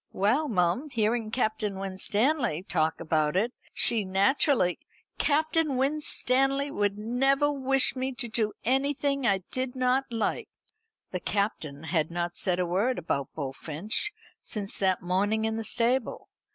"Well, mum, hearing Captain Winstanley talk about it, she naturally " "Captain Winstanley would never wish me to do anything I did not like." The Captain had not said a word about Bullfinch since that morning in the stable.